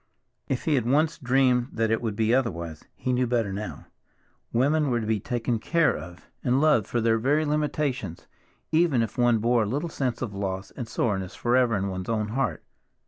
If he had once dreamed that it would be otherwise, he knew better now. Women were to be taken care of and loved for their very limitations, even if one bore a little sense of loss and soreness forever in one's own heart.